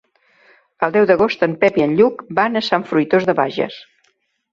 El deu d'agost en Pep i en Lluc van a Sant Fruitós de Bages.